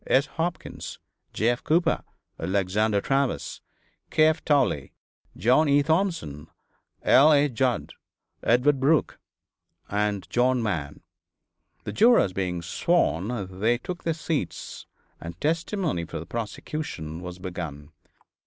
S. Hopkins, J. F. Cooper, Alexander Travis, K. F. Towle, John E. Thompson, L. A. Judd, Edward Burke and John Mann. The jurors being sworn, they took their seats, and testimony for the prosecution was begun.